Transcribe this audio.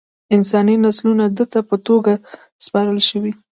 انساني نسلونه ده ته په توګه سپارل شوي.